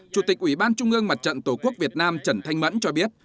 chủ tịch ủy ban trung ương mặt trận tổ quốc việt nam trần thanh mẫn cho biết